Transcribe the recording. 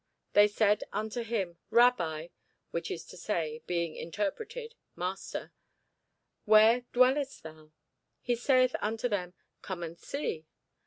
They said unto him, Rabbi, (which is to say, being interpreted, Master,) where dwellest thou? He saith unto them, Come and see.